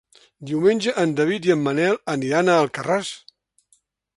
Diumenge en David i en Manel aniran a Alcarràs.